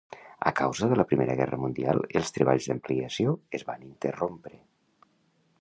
A causa de la Primera Guerra Mundial els treballs d'ampliació es van interrompre.